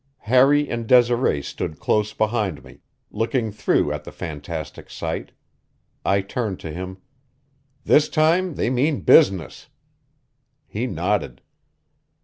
Harry and Desiree stood close behind me, looking through at the fantastic sight. I turned to him: "This time they mean business." He nodded.